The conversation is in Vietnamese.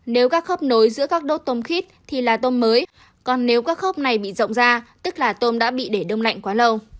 nếu các khớp nối giữa các đốt tôm khít thì là tôm mới còn nếu các khớp này bị rộng ra tức là tôm đã bị để đông lạnh quá lâu